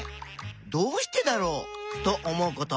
「どうしてだろう」と思うこと。